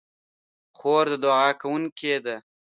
خور د دعا کوونکې ده.